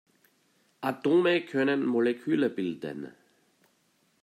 Atome können Moleküle bilden.